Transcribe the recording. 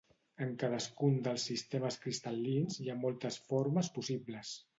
En cadascun dels sistemes cristal·lins hi ha moltes formes possibles.